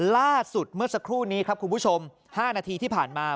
ล่าสุดเมื่อสักครู่นี้ครับคุณผู้ชม๕นาทีที่ผ่านมา